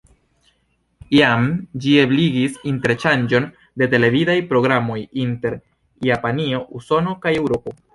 Jam ĝi ebligis interŝanĝon de televidaj programoj inter Japanio, Usono kaj Eŭropo.